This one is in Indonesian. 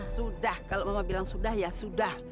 sudah kalau mama bilang sudah ya sudah